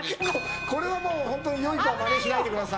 これは本当によい子はまねしないでください。